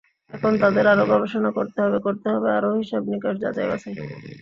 এখন তাঁদের আরও গবেষণা করতে হবে, করতে হবে আরও হিসাব-নিকাশ, যাচাই-বাছাই।